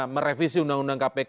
merevisi undang undang kpk